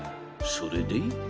それで？